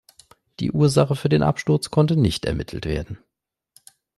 Die Ursache für den Absturz konnte nicht ermittelt werden.